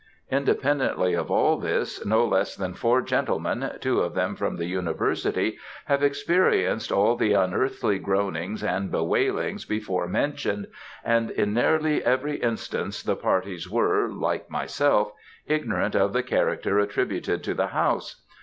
Independently of all this, no less than four gentlemen, two of them from the University, have experienced all the unearthly groanings and be wailings before mentioned, and in nearly every instance the parties were, like myself, ignorant of the character attributed to the house.